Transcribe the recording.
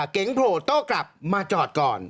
เก๋งโผล่โต้กลับมาจอดก่อน